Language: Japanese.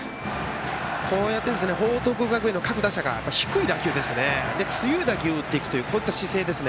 こうやって報徳学園の各打者が低い打球強い打球を打っていくという姿勢。